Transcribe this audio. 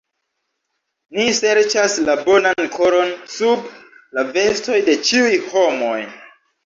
Ni serĉas la bonan koron sub la vestoj de ĉiuj homoj.